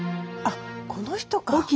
あっこの人か。